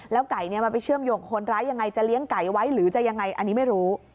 ไก่มันไปเชื่อมโยงคนร้ายยังไงจะเลี้ยงไก่ไว้หรือจะยังไงอันนี้ไม่รู้